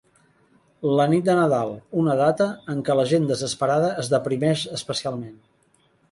La nit de Nadal, una data en què la gent desesperada es deprimeix especialment.